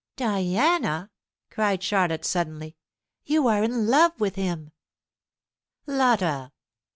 "Diana," cried Charlotte, suddenly, "you are in love with him!" "Lotta!"